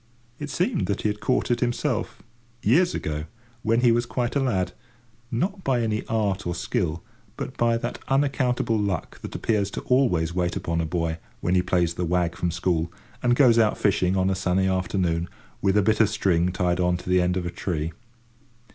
It seemed that he had caught it himself, years ago, when he was quite a lad; not by any art or skill, but by that unaccountable luck that appears to always wait upon a boy when he plays the wag from school, and goes out fishing on a sunny afternoon, with a bit of string tied on to the end of a tree.